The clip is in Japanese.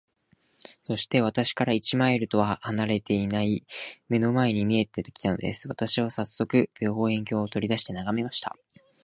そして、私から一マイルとは離れていない眼の前に見えて来たのです。私はさっそく、望遠鏡を取り出して眺めました。